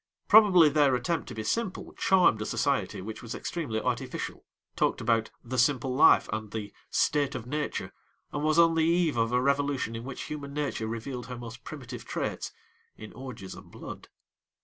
Probably their attempt to be simple charmed a society which was extremely artificial, talked about 'the simple life' and the 'state of nature,' and was on the eve of a revolution in which human nature revealed her most primitive traits in orgies of blood.